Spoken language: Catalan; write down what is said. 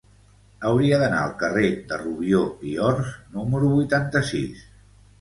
Hauria d'anar al carrer de Rubió i Ors número vuitanta-sis.